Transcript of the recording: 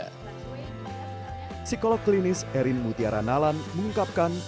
psikolog klinis erin mutiara nalan mengungkapkan